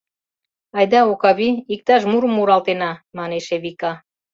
— Айда, Окавий, иктаж мурым муралтена, — манеш Эвика.